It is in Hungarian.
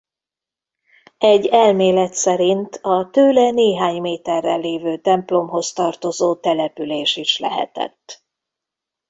Egy elmélet szerint a tőle néhány méterre lévő templomhoz tartozó település is lehetett.